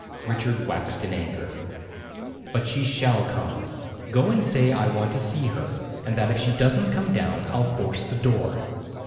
Richard waxed in anger. 'But she shall come! Go and say I want to see her, and that if she doesn't come down I'll force the door.